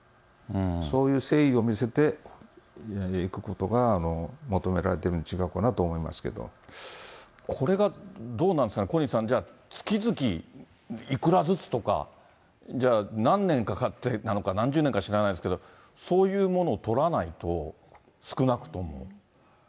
そういう誠意を見せていくことが求められてるちがうかなと思いまこれがどうなんですかね、小西さん、月々いくらずつとか、じゃあ何年かかってなのか、何十年か知らないですけど、そういうものを取らないと、少なくとも。